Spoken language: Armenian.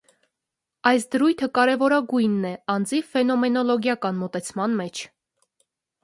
Այս դրույթը կարևորագույնն է անձի ֆենոմենոլոգիական մոտեցման մեջ։